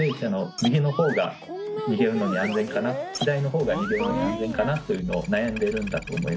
左の方が逃げるのに安全かな？というのを悩んでるんだと思います。